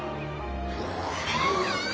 ・・ああ！